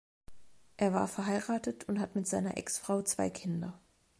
Er war verheiratet und hat mit seiner Exfrau zwei Kinder.